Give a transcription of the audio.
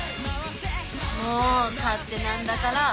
もう勝手なんだから。